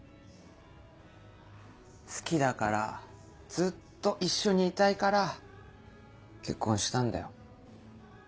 好きだからずっと一緒にいたいから結婚したんだよ。